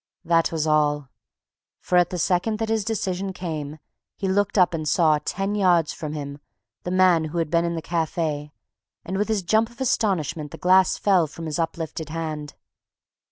That was all; for at the second that his decision came, he looked up and saw, ten yards from him, the man who had been in the cafe, and with his jump of astonishment the glass fell from his uplifted hand.